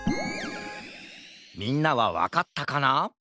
みんなはわかったかな？